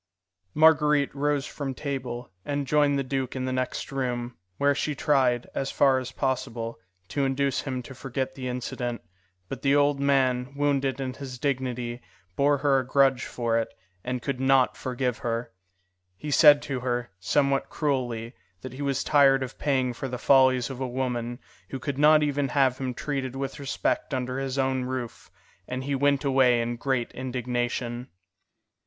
Marguerite rose from table, and joined the duke in the next room, where she tried, as far as possible, to induce him to forget the incident, but the old man, wounded in his dignity, bore her a grudge for it, and could not forgive her. He said to her, somewhat cruelly, that he was tired of paying for the follies of a woman who could not even have him treated with respect under his own roof, and he went away in great indignation.